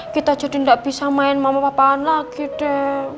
kita jadi gak bisa main mama papaan lagi deh